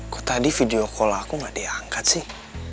kok tadi video call aku gak diangkat sih